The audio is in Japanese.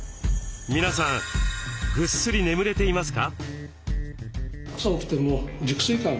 皆さんぐっすり眠れていますか？